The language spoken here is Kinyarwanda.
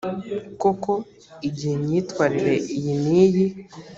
koko igihe imyitwarire iyi n iyi